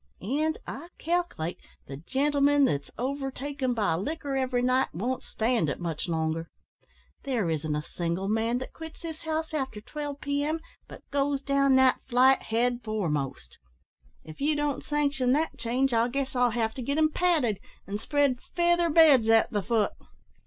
And I calc'late the gentlemen that's overtaken by liquor every night won't stand it much longer. There isn't a single man that quits this house after 12 p.m. but goes down that flight head foremost. If you don't sanction that change, I guess I'll have to get 'em padded, and spread feather beds at the foot.